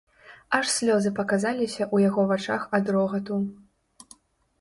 Аж слёзы паказаліся ў яго вачах ад рогату.